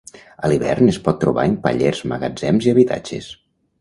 A l'hivern es pot trobar en pallers, magatzems i habitatges.